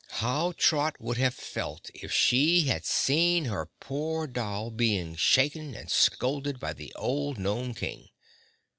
How Trot would have felt if she had seen her poor doll being shaken and scolded by the old Gnome King!